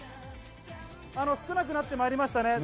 少なくなってまいりました。